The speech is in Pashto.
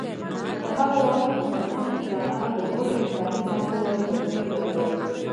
د هغه وخت عقلمنو انسانانو له نورو انساني نوعو سره توپیر درلود.